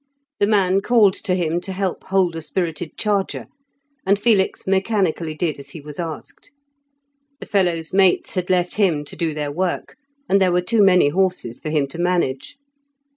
The man called to him to help hold a spirited charger, and Felix mechanically did as he was asked. The fellow's mates had left him to do their work, and there were too many horses for him to manage.